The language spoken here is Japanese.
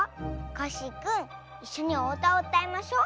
コッシーくんいっしょにおうたをうたいましょ。